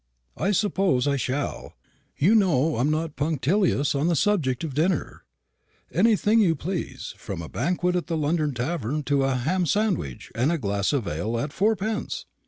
"I suppose I shall. You know I'm not punctilious on the subject of dinner. Anything you please from a banquet at the London Tavern to a ham sandwich and a glass of ale at fourpence."